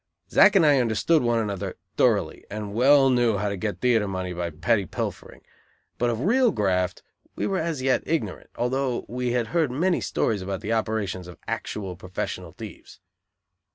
Zack and I understood one another thoroughly and well knew how to get theatre money by petty pilfering, but of real graft we were as yet ignorant, although we had heard many stories about the operations of actual, professional thieves.